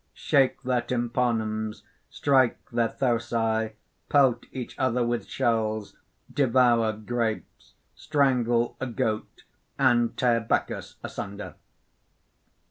shake their tympanums, strike their thyrsi, pelt each other with shells, devour grapes, strangle a goat, and tear Bacchus asunder.